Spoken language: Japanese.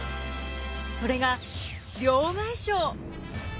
それが両替商。